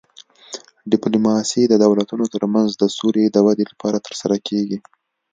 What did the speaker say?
ډیپلوماسي د دولتونو ترمنځ د سولې د ودې لپاره ترسره کیږي